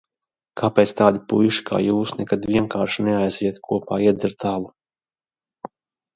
Kāpēc tādi puiši kā jūs nekad vienkārši neaizejat kopā iedzert alu?